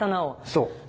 そう。